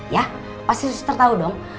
ya pasti suster tahu dong